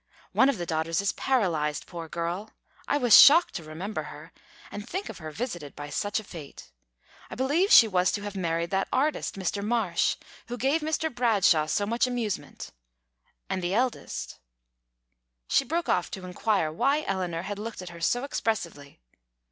One of the daughters is paralyzed, poor girl; I was shocked to remember her, and think of her visited by such a fate. I believe she was to have married that artist, Mr. Marsh, who gave Mr. Bradshaw so much amusement. And the eldest " She broke off to inquire why Eleanor had looked at her so expressively.